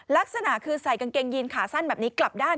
ลักษณะคือใส่กางเกงยีนขาสั้นแบบนี้กลับด้าน